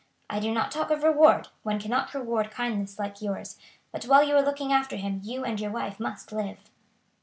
I do not talk of reward; one cannot reward kindness like yours; but while you are looking after him you and your wife must live."